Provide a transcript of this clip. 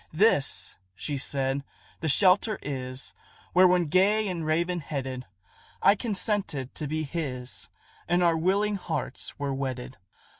"This," she said, "the shelter is, Where, when gay and raven headed, I consented to be his, And our willing hearts were wedded.